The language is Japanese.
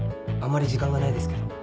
あんまり時間がないですけど。